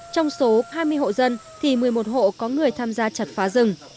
trong số hai mươi hộ dân thì một mươi một hộ có người tham gia chặt phá rừng